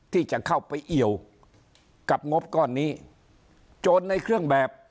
ที่จะเข้าไปเอี่ยวกับงบก้อนนี้โจรในเครื่องแบบ